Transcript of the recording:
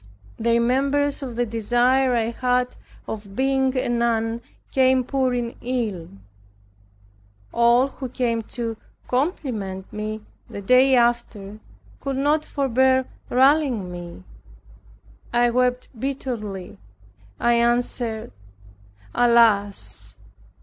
The remembrance of the desire I had of being a nun, came pouring in. All who came to compliment me, the day after, could not forbear rallying me. I wept bitterly. I answered, "Alas!